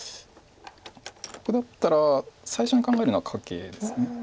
僕だったら最初に考えるのはカケです。